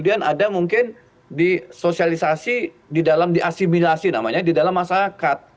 ada mungkin disosialisasi di dalam di asimilasi namanya di dalam masyarakat